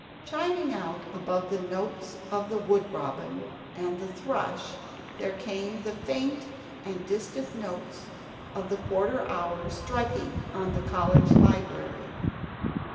Chiming out above the notes of the wood robin and the thrush there came the faint and distant notes of the quarter hour striking on the college library.